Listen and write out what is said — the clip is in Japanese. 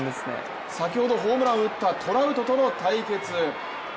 先ほどホームランを打ったトラウトとの対決。